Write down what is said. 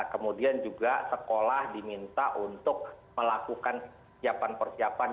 kemudian juga sekolah diminta untuk melakukan siapan persiapan